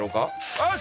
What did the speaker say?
よし！